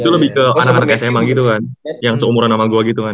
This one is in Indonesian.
itu lebih ke anak anak sma gitu kan yang seumuran sama gue gitu kan